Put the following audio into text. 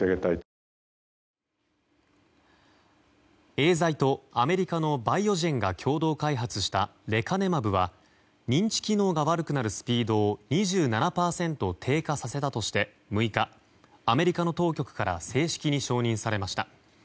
エーザイとアメリカのバイオジェンが共同開発したレカネマブは認知機能が悪くなるスピードを２７％低下させたとして６日、アメリカの当局から正式に承認されました。